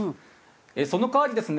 その代わりですね